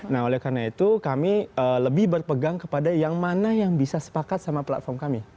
nah oleh karena itu kami lebih berpegang kepada yang mana yang bisa sepakat sama platform kami